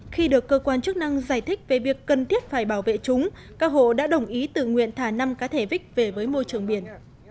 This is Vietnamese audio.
khi được cơ quan chức năng giải thích về việc cần thiết phải bảo vệ chúng các hộ đã đồng ý tự nguyện thả năm cá thể vích về với môi trường biển